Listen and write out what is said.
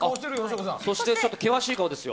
そして、険しい顔ですよ。